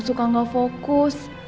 suka gak fokus